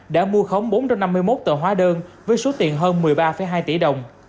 đã mua khống bốn trăm năm mươi một tờ hóa đơn với số tiền hơn một mươi ba hai tỷ đồng